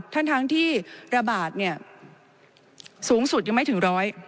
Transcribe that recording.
ทั้งที่ระบาดสูงสุดยังไม่ถึง๑๐๐